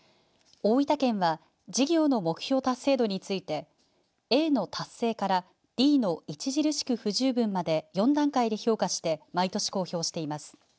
大分県は事業の目標達成度についてＡの達成からＤの著しく不十分まで４段階で評価して毎年、公表しています。